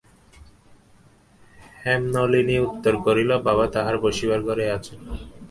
হেমনলিনী উত্তর করিল, বাবা তাঁহার বসিবার ঘরে আছেন।